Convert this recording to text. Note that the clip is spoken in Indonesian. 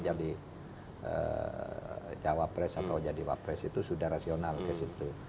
jadi cawapres atau jadi wapres itu sudah rasional ke situ